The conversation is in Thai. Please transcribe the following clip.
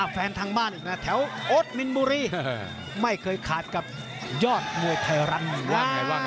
แฟนทางบ้านอีกนะแถวโอ๊ตมิลบุรีไม่เคยขาดกับยอดมวยไทยรันดร์